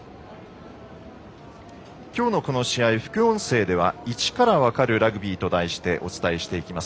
きょうのこの試合副音声では「イチからわかるラグビー」と題してお伝えしていきます。